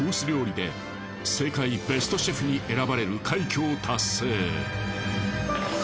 料理で世界ベストシェフに選ばれる快挙を達成。